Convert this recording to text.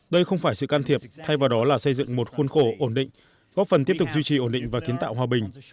đây không phải sự can thiệp thay vào đó là xây dựng một khuôn khổ ổn định góp phần tiếp tục duy trì ổn định và kiến tạo hòa bình